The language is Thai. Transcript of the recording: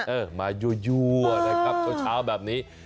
อื้อมาอยู่นะครับตอนเช้าแบบนี้